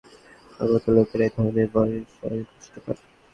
আমার মতো লোকেরাই এই ধরনের বসদের জ্বালাতনে কষ্ট বুঝতে পারে!